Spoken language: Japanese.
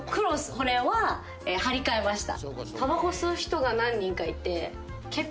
これは張り替えました。